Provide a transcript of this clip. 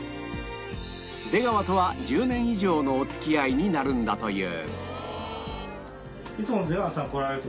出川とは１０年以上のお付き合いになるんだという